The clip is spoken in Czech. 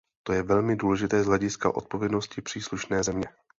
To je velmi důležité z hlediska odpovědnosti příslušné země.